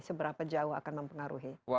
seberapa jauh akan mempengaruhi